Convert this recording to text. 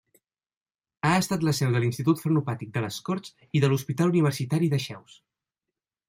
Ha estat la seu de l'Institut Frenopàtic de les Corts i de l'Hospital Universitari Dexeus.